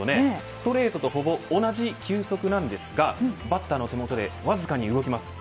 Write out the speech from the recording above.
ストレートとほぼ同じ球速なんですが、バッターの手元でわずかに動きます。